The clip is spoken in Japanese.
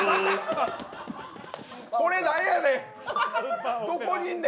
これ何やねん！